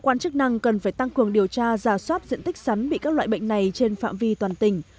cơ quan chức năng cần phải tăng cường điều tra giả soát diện tích sắn bị các loại bệnh này trên phạm vi toàn tỉnh